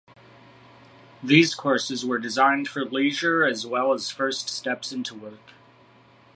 These courses were designed for leisure as well as first steps into work.